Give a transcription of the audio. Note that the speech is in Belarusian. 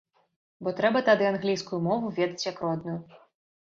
Бо трэба тады англійскую мову ведаць як родную.